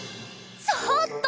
ちょっと！